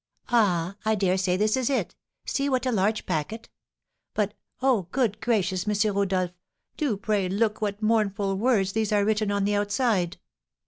"Ah, I dare say this is it! See what a large packet! But, oh, good gracious, M. Rodolph, do pray look what mournful words these are written on the outside!"